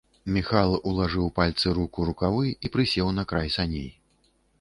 Міхал улажыў пальцы рук у рукавы і прысеў на край саней.